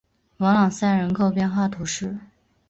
弗朗赛人口变化图示